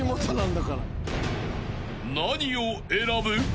［何を選ぶ？］